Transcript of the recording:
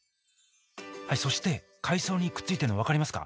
そして海藻にくっついてるの分かりますか？